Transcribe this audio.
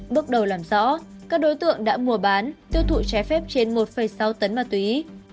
bước đầu làm rõ các đối tượng đã mua bán tiêu thụ trái phép trên một sáu tấn ma túy